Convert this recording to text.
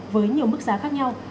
với nhiều mức giá khác nhau